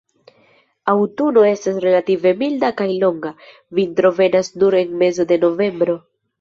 Aŭtuno estas relative milda kaj longa, vintro venas nur en mezo de novembro.